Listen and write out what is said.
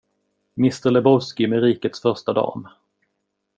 Mr Lebowski med rikets första dam.